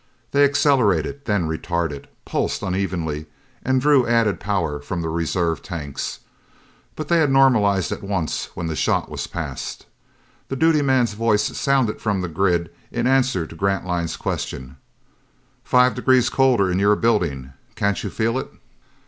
They accelerated, then retarded. Pulsed unevenly, and drew added power from the reserve tanks. But they had normalized at once when the shot was past. The duty man's voice sounded from the grid in answer to Grantline's question: "Five degrees colder in your building. Can't you feel it?"